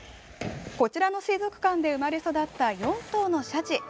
こちらの水族館で生まれ育った４頭のシャチ。